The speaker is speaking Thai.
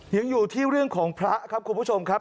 ยังอยู่ที่เรื่องของพระครับคุณผู้ชมครับ